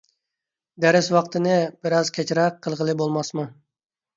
دەرس ۋاقتىنى بىرئاز كەچرەك قىلغىلى بولماسمۇ؟